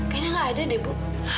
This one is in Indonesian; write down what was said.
kayaknya nggak ada deh bu